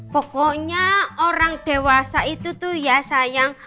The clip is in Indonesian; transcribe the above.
pokoknya orang dewasa itu tuh ya sayang